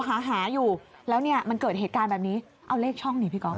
หาหาอยู่แล้วเนี่ยมันเกิดเหตุการณ์แบบนี้เอาเลขช่องดิพี่ก๊อฟ